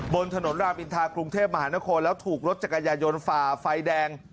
บนถนนรามอินทากรุงเทพมหานครแล้วถูกรถจักรยายนฝ่าไฟแดง